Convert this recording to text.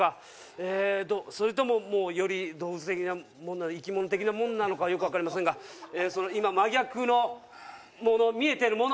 えそれともより動物的なものなのか生き物的なもんなのかよく分かりませんが今真逆のもの見えてるもの